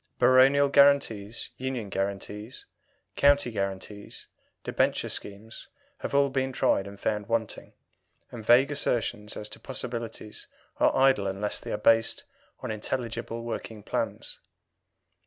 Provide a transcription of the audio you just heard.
Baronial guarantees, union guarantees, county guarantees, debenture schemes, have all been tried and found wanting, and vague assertions as to possibilities are idle unless they are based on intelligible working plans.